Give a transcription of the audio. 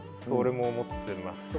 それも思ってます。